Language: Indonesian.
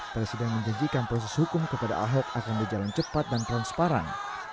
presiden menjanjikan proses hukum kepada ahok akan berjalan cepat dan transparan